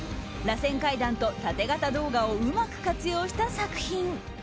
螺旋階段と縦型動画をうまく活用した作品。